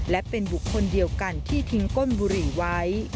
และเป็นบุคคลเดียวกันที่ทิ้งก้นบุหรี่ไว้